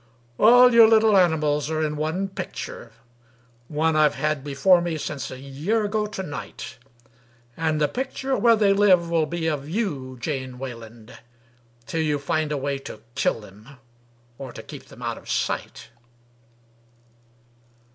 "— "All your little animals are in one picture— One I've had before me since a year ago to night; And the picture where they live will be of you, Jane Wayland, Till you find a way to kill them or to keep them out of sight."